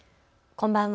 こんばんは。